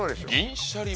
銀シャリ